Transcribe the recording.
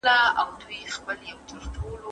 هغه څوک چې مرستې ویسي باید عادل وي.